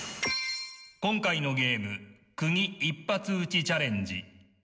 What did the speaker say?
今回のゲームくぎ一発打ちチャレンジ。